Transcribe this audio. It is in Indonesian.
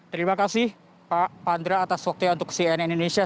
terima kasih pak pandra atas waktunya untuk cnn indonesia